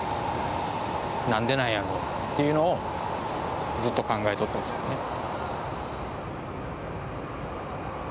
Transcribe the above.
何でなんやろうっていうのをずっと考えとったんですよね。